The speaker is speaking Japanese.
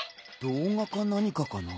動画か何かかな？